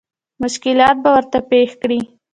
مشکلات به ورته پېښ کړي.